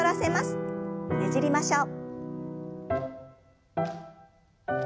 ねじりましょう。